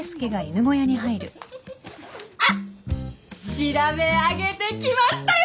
調べ上げてきましたよ！